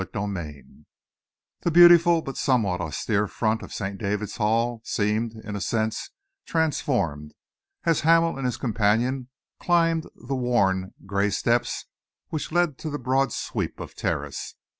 CHAPTER XVIII The beautiful but somewhat austere front of St. David's Hall seemed, in a sense, transformed, as Hamel and his companion climbed the worn grey steps which led on to the broad sweep of terrace.